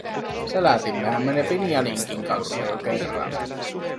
Selätimmehän me ne Finianinkin kanssa jo kerran.